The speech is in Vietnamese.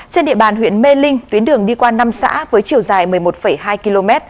trên địa bàn huyện mê linh tuyến đường đi qua năm xã với chiều dài một mươi một hai km